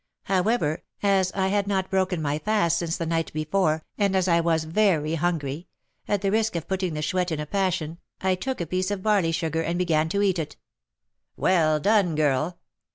However, as I had not broken my fast since the night before, and as I was very hungry, at the risk of putting the Chouette in a passion, I took a piece of barley sugar, and began to eat it." "Well done, girl!"